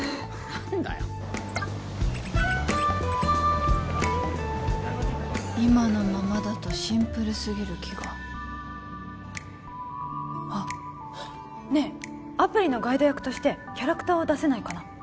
何だよっ今のままだとシンプルすぎる気があっねえアプリのガイド役としてキャラクターを出せないかな？